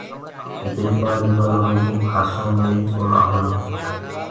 بي پآڙيِ ول رُگو گھآسو مي ئي ڪونآ هئي۔